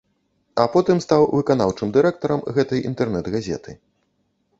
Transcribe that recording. А потым стаў выканаўчым дырэктарам гэтай інтэрнэт-газеты.